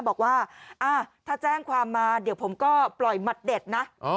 บอกว่าถ้าแจ้งความมาเดี๋ยวผมก็ปล่อยหมัดเด็ดนะ